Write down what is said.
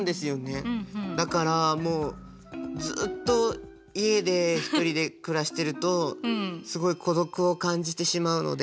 だからもうずっと家で１人で暮らしてるとすごい孤独を感じてしまうので。